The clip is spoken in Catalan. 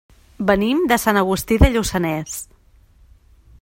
Venim de Sant Agustí de Lluçanès.